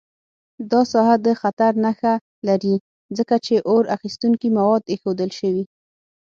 دا ساحه د خطر نښه لري، ځکه چې اور اخیستونکي مواد ایښودل شوي.